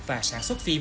và sản xuất phim